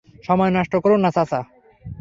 সময় নষ্ট কোরো না, চাচা।